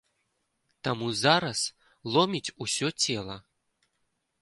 Таму зараз ломіць усё цела.